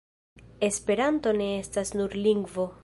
Esperanto ne estas nur lingvo.